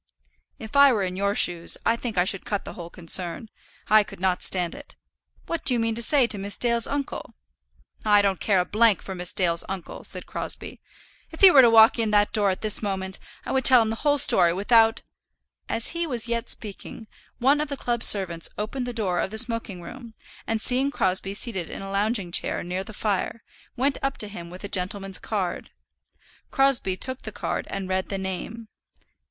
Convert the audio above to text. "If I were in your shoes I think I should cut the whole concern. I could not stand it. What do you mean to say to Miss Dale's uncle?" "I don't care a for Miss Dale's uncle," said Crosbie. "If he were to walk in at that door this moment, I would tell him the whole story, without " As he was yet speaking, one of the club servants opened the door of the smoking room, and seeing Crosbie seated in a lounging chair near the fire, went up to him with a gentleman's card. Crosbie took the card and read the name.